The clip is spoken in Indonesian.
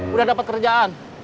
udah dapat kerjaan